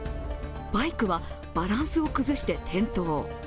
バイクはバランスを崩して転倒。